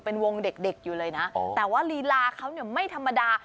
เป็นวงเด็กอยู่เลยนะแต่ว่าลีลาเขาเนี่ยไม่ธรรมดา